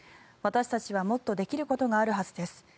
私たちはもっとできることがあるはずです